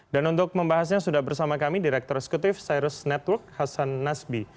dan untuk membahasnya sudah bersama kami direktur sekutif cyrus network hasan nasby